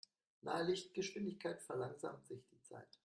Nahe Lichtgeschwindigkeit verlangsamt sich die Zeit.